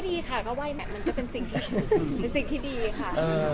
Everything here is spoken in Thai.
ก็ดีค่ะเพราะว่าใหล่มัดจะเป็นสิ่งที่ดีค่ะ